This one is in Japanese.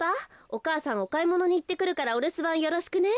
お母さんおかいものにいってくるからおるすばんよろしくね。